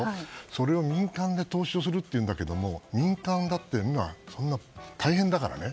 それを民間で投資をするというんだけども民間だって、今、大変だからね。